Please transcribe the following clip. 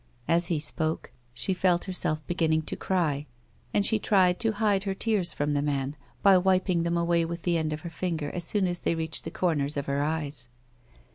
As he spoke she felt herself beginning to cry, and she tried to hide her tears from the man by wiping them away with the end of her tiuger as soon as they reached the corners of her eyes.